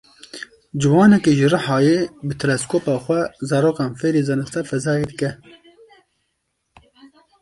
Ciwanekî ji Rihayê bi teleskopa xwe zarokan fêrî zanista fezayê dike.